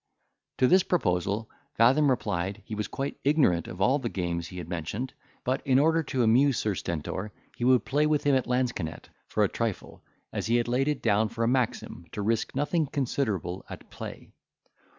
To this proposal Fathom replied, he was quite ignorant of all the games he had mentioned; but, in order to amuse Sir Stentor, he would play with him at lansquenet, for a trifle, as he had laid it down for a maxim, to risk nothing considerable at play.